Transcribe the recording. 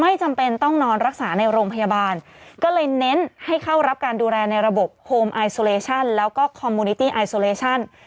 จำเป็นต้องนอนรักษาในโรงพยาบาลก็เลยเน้นให้เข้ารับการดูแลในระบบโฮมไอโซเลชั่นแล้วก็คอมมูนิตี้ไอโซเลชั่น